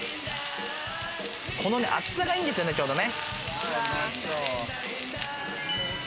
この厚さがいいんですよね、ちょうどね。